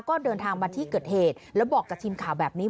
ก็เดินทางมาที่เกิดเหตุแล้วบอกกับทีมข่าวแบบนี้